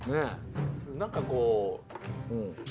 何かこう。